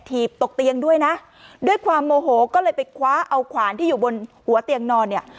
ถีบตกเตียงด้วยนะด้วยความโมโหก็เลยไปคว้าเอาขวานที่อยู่บนหัวเตียงนอนเนี่ย